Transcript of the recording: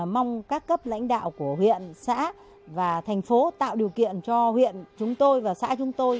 mong các cấp lãnh đạo của huyện xã và thành phố tạo điều kiện cho huyện chúng tôi và xã chúng tôi